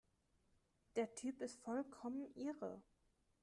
Der Typ ist vollkommen irre